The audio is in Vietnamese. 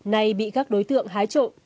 nay bị các đối tượng hái trộm